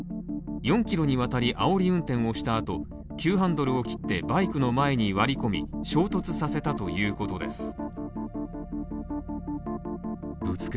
４ｋｍにわたりあおり運転をしたあと急ハンドルを切ってバイクの前に割り込み、衝突させたということです。